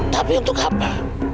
tapi untuk apa